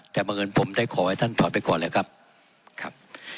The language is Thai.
แต่เมื่อเงินผมให้ท่านถอนไปก่อนเลยครับ